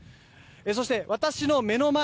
そして、私の目の前